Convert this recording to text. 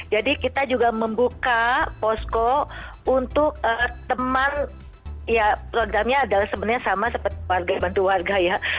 jadi kita juga membuka posko untuk teman ya programnya adalah sebenarnya sama seperti warga bantu warga ya